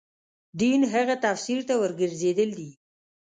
دین هغه تفسیر ته ورګرځېدل دي.